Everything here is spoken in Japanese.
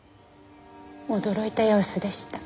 驚いた様子でした。